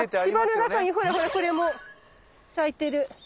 芝の中にほらほらこれも咲いてる。